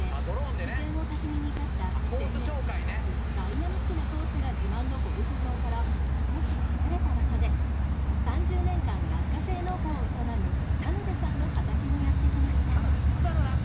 自然を巧みに生かした戦略的かつダイナミックなコースが自慢のゴルフ場から少し離れた場所で３０年間落花生農家を営む田辺さんの畑にやって来ました。